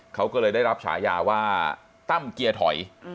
เขาก็เลยได้รับฉายาว่าตั้มเกียร์ถอย